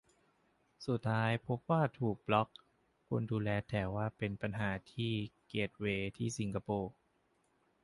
สุดท้ายพบว่าถูกบล็อค คนดูแลแถว่าเป็นปัญหาที่เกตเวย์ที่สิงคโปร์